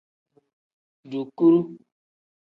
Dukuru.